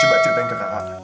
coba ceritain ke kakak